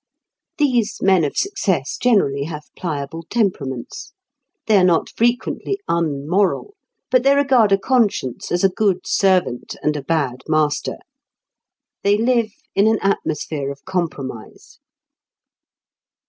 These "men of success" generally have pliable temperaments. They are not frequently un moral, but they regard a conscience as a good servant and a bad master. They live in an atmosphere of compromise.